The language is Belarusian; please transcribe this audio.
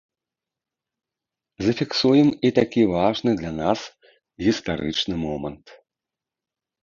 Зафіксуем і такі важны для нас гістарычны момант.